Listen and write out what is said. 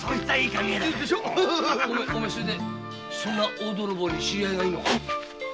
お前それで大泥棒に知り合いがいるのか？